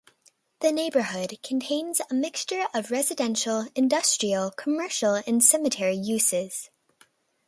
The neighborhood contains a mixture of residential, industrial, commercial, and cemetery uses.